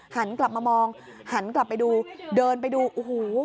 หันกลับมามองหันกลับไปดูเดินไปดูโอ้โห